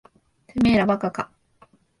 てめえら馬鹿か。